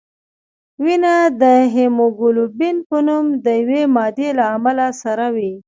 وینه د هیموګلوبین په نوم د یوې مادې له امله سره وي